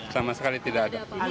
sama sekali tidak ada